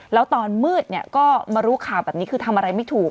แล้วตอนมืดก็มารู้ข่าวแบบนี้คือทำอะไรไม่ถูก